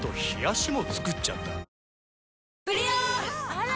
あら！